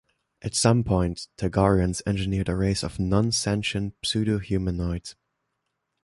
At some point, Tagorians engineered a race of non-sentient "pseudo-humanoids".